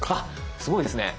すごいですね。